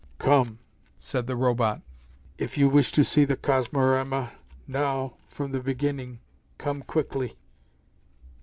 "Come," said the Robot. "If you wish to see the Cosmorama, now, from the Beginning, come quickly."